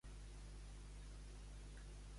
Què va escriure Mayol?